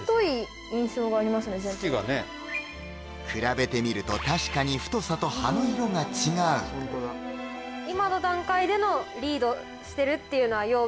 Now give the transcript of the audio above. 茎がね比べてみると確かに太さと葉の色が違うそうですね